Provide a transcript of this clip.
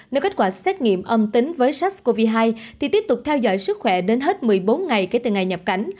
nếu kết quả xét nghiệm âm tính với sars cov hai thì tiếp tục theo dõi sức khỏe đến hết một mươi bốn ngày kể từ ngày nhập cảnh